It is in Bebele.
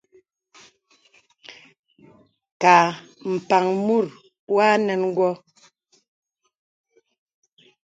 Ka mpàŋ mùt wa nə̀n wɔ.